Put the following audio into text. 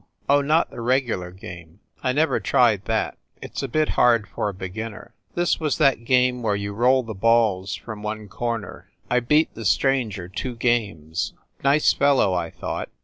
Oh, not the regular game I never tried that it s a bit hard for a beginner this was that game where you roll the balls from one corner. I beat the stranger two games. Nice fellow, I thought.